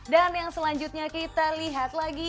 dan yang selanjutnya kita lihat lagi